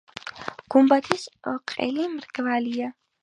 გუმბათის ყელი მრგვალია.